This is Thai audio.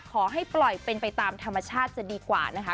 ขอให้ปล่อยเป็นไปตามธรรมชาติจะดีกว่านะคะ